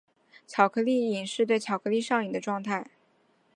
巧克力瘾是指对巧克力上瘾的状态。